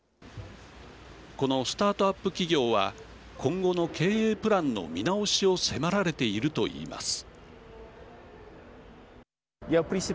このスタートアップ企業は今後の経営プランの見直しを迫られているといいます。